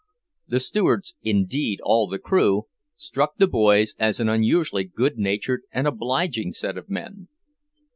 The stewards, indeed all the crew, struck the boys as an unusually good natured and obliging set of men.